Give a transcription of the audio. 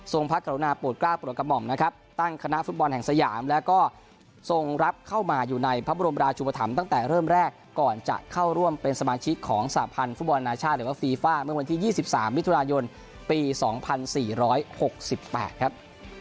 พระกรุณาโปรดกล้าโปรดกระหม่อมนะครับตั้งคณะฟุตบอลแห่งสยามแล้วก็ทรงรับเข้ามาอยู่ในพระบรมราชุปธรรมตั้งแต่เริ่มแรกก่อนจะเข้าร่วมเป็นสมาชิกของสาพันธ์ฟุตบอลนาชาติหรือว่าฟีฟ่าเมื่อวันที่๒๓มิถุนายนปี๒๔๖๘ครับ